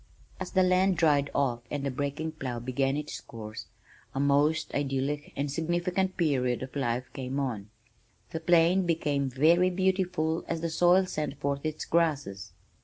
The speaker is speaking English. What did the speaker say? As the land dried off and the breaking plow began its course, a most idyllic and significant period of life came on. The plain became very beautiful as the soil sent forth its grasses.